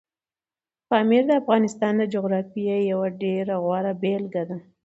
پامیر د افغانستان د جغرافیې یوه ډېره غوره بېلګه ده.